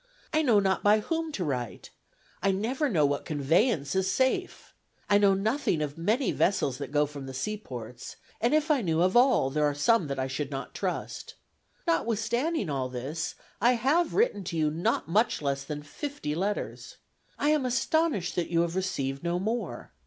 I know not by whom to write. I never know what conveyance is safe. ... I know nothing of many vessels that go from the sea ports, and if I knew of all, there are some that I should not trust. Notwithstanding all this, I have written to you not much less than fifty letters. I am astonished that you have received no more.